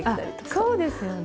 あそうですよね。